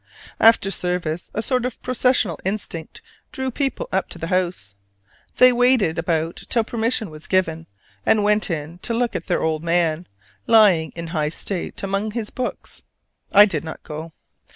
After service a sort of processional instinct drew people up to the house: they waited about till permission was given, and went in to look at their old man, lying in high state among his books. I did not go.